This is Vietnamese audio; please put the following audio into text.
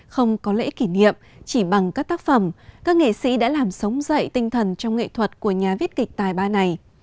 không có lễ kỷ niệm chỉ bằng các tác phẩm các nghệ sĩ đã làm sống dậy tinh thần trong nghệ thuật của nhà viết kịch tài ba này